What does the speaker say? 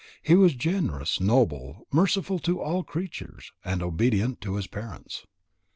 He was generous, noble, merciful to all creatures, and obedient to his parents.